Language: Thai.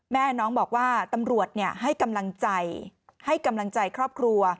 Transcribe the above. แม่น้องบอกว่าตำรวจให้กำลังใจให้กำลังใจครอบครัว